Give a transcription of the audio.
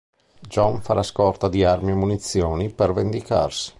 Jon farà scorta di armi e munizioni per vendicarsi.